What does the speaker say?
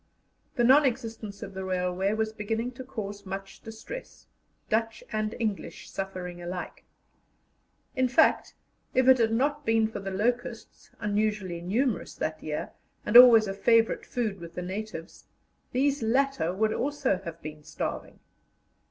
The non existence of the railway was beginning to cause much distress, Dutch and English suffering alike. In fact, if it had not been for the locusts, unusually numerous that year, and always a favourite food with the natives, these latter would also have been starving.